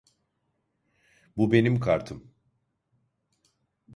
Bu benim kartım.